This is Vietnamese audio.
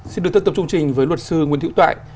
xin được tập trung trình với luật sư nguyễn thị tội